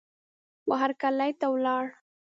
وهرکلې ته ولاړ